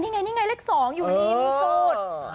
นี่ไงนี่ไงเลขสองอยู่นิ่มสด